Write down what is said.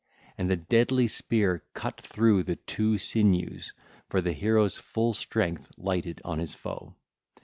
And the deadly spear cut through the two sinews; for the hero's full strength lighted on his foe.